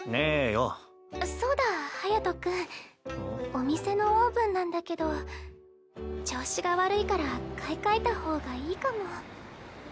お店のオーブンなんだけど調子が悪いから買い替えた方がいいかも。